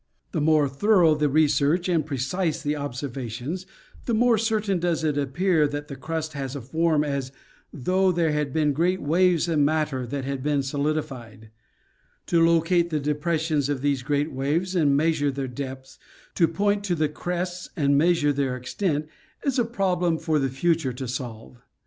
The more thorough the research and precise the observations, the more certain does it appear that the crust has a form as though there had been great waves of matter that had been solidified, To locate the depressions of these great waves and measure their depths, to pomt to the crests and measure their extent, is a problem for the future to solve.